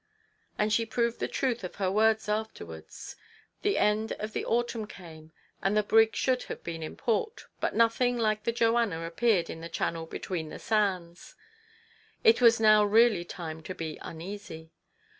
And she proved the truth of her words after wards. The end of the autumn came, and the brig should have been in port; but nothing like the Joanna appeared in the channel betweer. the sands. It was now really time to be uneasy.